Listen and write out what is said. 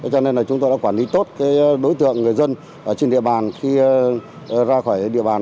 cho nên là chúng tôi đã quản lý tốt đối tượng người dân trên địa bàn khi ra khỏi địa bàn